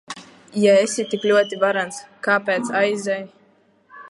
Ja esi tik ļoti varens, kāpēc aizej?